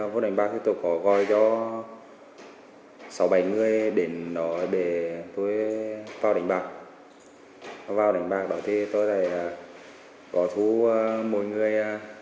vào đánh bạc đó thì tôi lại gọi thu mỗi người